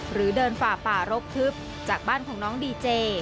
หรือเดินฝ่าป่ารกทึบจากบ้านของน้องดีเจ